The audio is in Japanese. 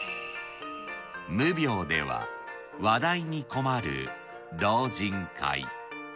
無病では話題に困る老人会。